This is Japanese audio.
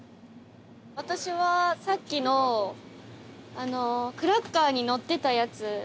私はさっきのクラッカーにのってたやつ。